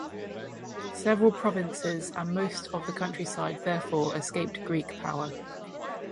Several provinces and most of the countryside therefore escaped Greek power.